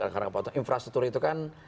karena potong infrastruktur itu kan